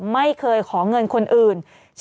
ไม่เคยขอเงินคนอื่น